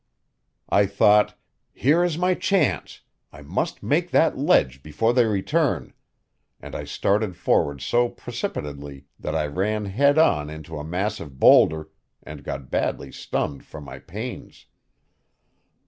I thought, "Here is my chance; I must make that ledge before they return," and I started forward so precipitately that I ran head on into a massive boulder and got badly stunned for my pains.